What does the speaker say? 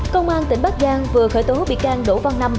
công an tỉnh bắc giang vừa khởi tố bị can đỗ văn năm